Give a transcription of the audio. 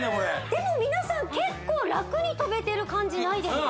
でも皆さん結構楽に跳べてる感じないですか？